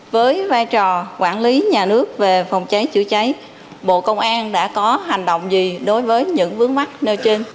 với vai trò quản lý nhà nước về phòng cháy chữa cháy bộ công an đã có hành động gì đối với những vướng mắt nơi trên